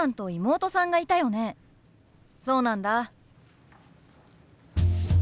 そうなんだ。